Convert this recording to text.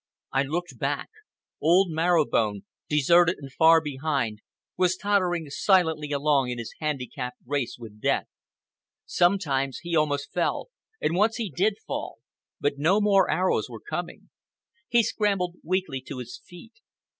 I looked back. Old Marrow Bone, deserted and far behind, was tottering silently along in his handicapped race with death. Sometimes he almost fell, and once he did fall; but no more arrows were coming. He scrambled weakly to his feet.